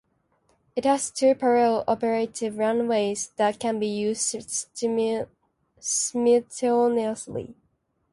It has two parallel operative runways that can be used simultaneously.